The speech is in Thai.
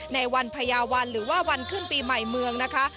ในวันพญาวันหรือว่าวันขึ้นปีใหม่เมืองนะคะ